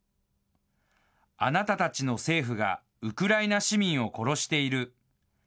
あなたたちの政府が、ウクライナ市民を殺している。